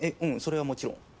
うんそれはもちろん。